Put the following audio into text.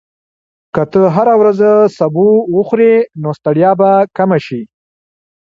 که ته هره ورځ سبو وخورې، نو ستړیا به کمه شي.